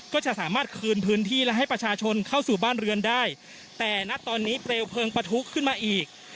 ก็จะสามารถคืนพื้นที่และให้ประชาชนเข้าสู่บ้านเรือนได้แต่ณตอนนี้เปลวเพลิงปะทุขึ้นมาอีก